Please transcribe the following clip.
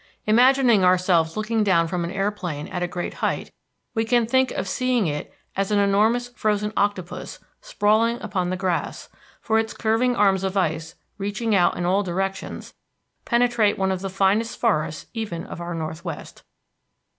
Imagining ourselves looking down from an airplane at a great height, we can think of seeing it as an enormous frozen octopus sprawling upon the grass, for its curving arms of ice, reaching out in all directions, penetrate one of the finest forests even of our northwest.